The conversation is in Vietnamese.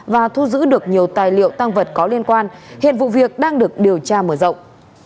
và thu giữ được nhiều tài liệu tăng vật có liên quan hiện vụ việc đang được điều tra mở rộng